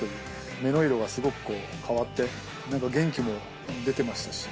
目の色がすごく変わって、なんか元気も出てましたし。